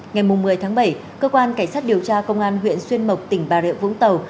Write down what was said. ngày một mươi tháng bảy cơ quan cảnh sát điều tra công an huyện xuyên mộc tỉnh bà rịa vũng tàu